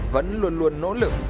vẫn luôn luôn nỗ lực